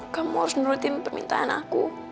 kamu harus menuruti permintaan aku